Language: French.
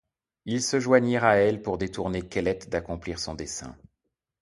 Ils se joignirent à elle pour détourner Kellet d’accomplir son dessein.